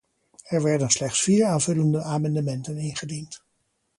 Er werden slechts vier aanvullende amendementen ingediend.